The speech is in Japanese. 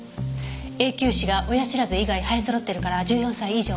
永久歯が親知らず以外生え揃ってるから１４歳以上。